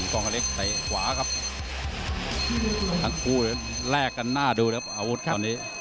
กล้องคันเล็กเตะขวาครับทั้งคู่แลกกันหน้าดูครับอาวุธตอนนี้